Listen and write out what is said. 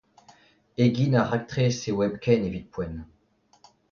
Egin ar raktres eo hepken evit poent.